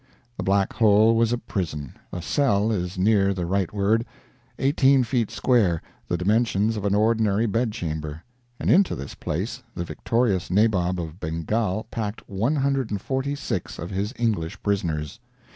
The Black Hole was a prison a cell is nearer the right word eighteen feet square, the dimensions of an ordinary bedchamber; and into this place the victorious Nabob of Bengal packed 146 of his English prisoners.